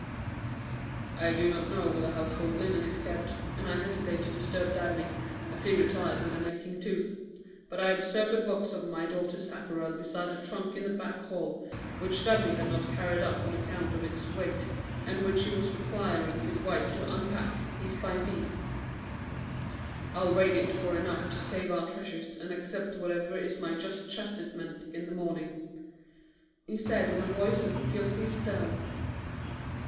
"I do not know where the household linen is kept and I hesitate to disturb Dabney, as he retired with an aching tooth; but I observed a box of my daughter's apparel beside a trunk in the back hall which Dabney had not carried up on account of its weight and which he was requiring his wife to unpack piece by piece. I'll raid it for enough to save our treasures and accept whatever is my just chastisement in the morning," he said in a voice of guilty stealth.